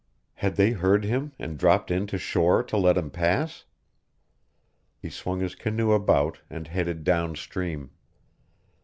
Had they heard him and dropped in to shore to let him pass? He swung his canoe about and headed down stream.